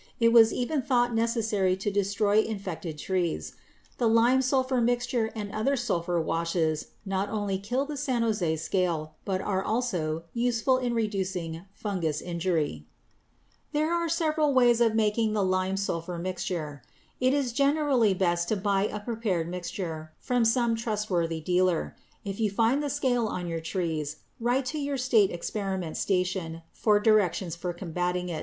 It was even thought necessary to destroy infected trees. The lime sulphur mixture and some other sulphur washes not only kill the San Jose scale but are also useful in reducing fungous injury. [Illustration: FIG. 150 SAN JOSE SCALE] [Illustration: FIG. 151. SINGLE SAN JOSE SCALE Magnified] There are several ways of making the lime sulphur mixture. It is generally best to buy a prepared mixture from some trustworthy dealer. If you find the scale on your trees, write to your state experiment station for directions for combating it.